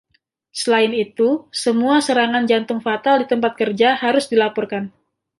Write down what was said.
Selain itu, semua serangan jantung fatal di tempat kerja harus dilaporkan.